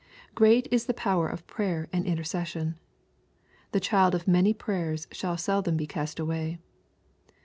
Great is the power of prayer and inter cession I The child of many prayers shall seldom be cast away.